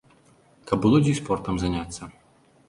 Каб было дзе і спортам заняцца.